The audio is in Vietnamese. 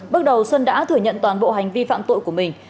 bước đầu xuân đã thừa nhận toàn bộ hành vi phạm tội của mình